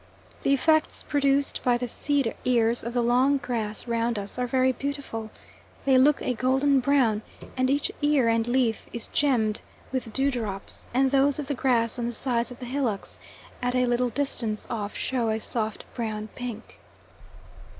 The effects produced by the seed ears of the long grass round us are very beautiful; they look a golden brown, and each ear and leaf is gemmed with dewdrops, and those of the grass on the sides of the hillocks at a little distance off show a soft brown pink.